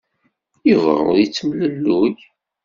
Yuba ur yettemlelluy.